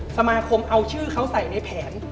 สมาคมเอาชื่อเขาใส่ในแผน